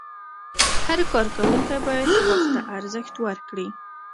هر کارکوونکی باید وخت ته ارزښت ورکړي.